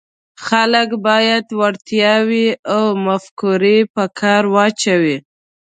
خلک باید وړتیاوې او مفکورې په کار واچوي.